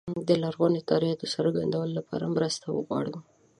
د لرغوني تاریخ د څرګندولو لپاره مرسته وغواړو.